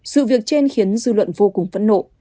sự việc trên khiến dư luận vô cùng phẫn nộ